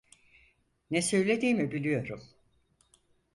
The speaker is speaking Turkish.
Ne söylediğimi biliyorum.